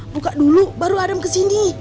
buka dulu baru adam kesini